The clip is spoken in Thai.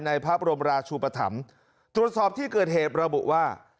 พระบรมราชุปธรรมตรวจสอบที่เกิดเหตุระบุว่า